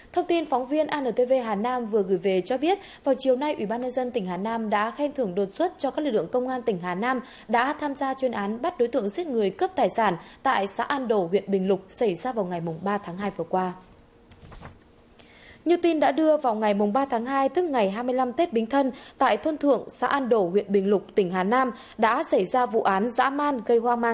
thông tin phóng viên antv hà nam vừa gửi về cho biết vào chiều nay ubnd tỉnh hà nam đã khen thưởng đột xuất cho các lực lượng công an tỉnh hà nam đã tham gia chuyên án bắt đối tượng giết người cướp tài sản tại xã an độ huyện bình lục xảy ra vào ngày ba tháng hai vừa qua